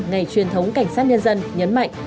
ngày truyền thống cảnh sát nhân dân nhấn mạnh